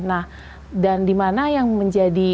nah dan di mana yang menjadi